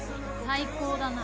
最高だな。